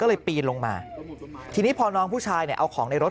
ก็เลยปีนลงมาทีนี้พอน้องผู้ชายเนี่ยเอาของในรถ